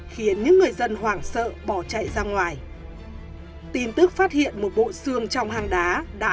khiến những người dân hoảng sợ bỏ chạy ra ngoài tin tức phát hiện một bộ xương trong hang đá